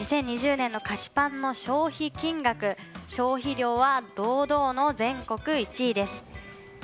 ２０２０年の菓子パンの消費金額と消費量は堂々の全国１位です。